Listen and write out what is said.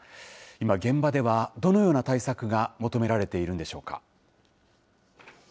今、現場ではどのような対策が求められているんでしょうか。